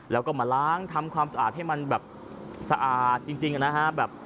แล้วก็มาล้างทำความสะอาดให้มันแบบสะอาดจริงนะฮะ